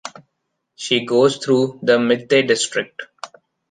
She goes through the Mitte district.